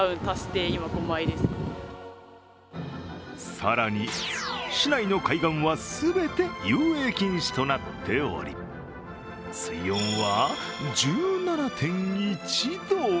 更に、市内の海岸は全て遊泳禁止となっており水温は１７．１度。